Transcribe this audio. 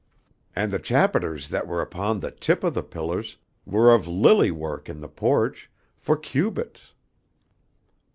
And the chapiters that were upon the tip of the pillahs were of lily work in the porch, fo' cubits.